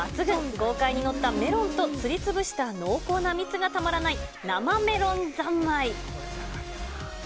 豪快に載ったメロンと、すりつぶした濃厚な蜜がたまらない生メロン三昧。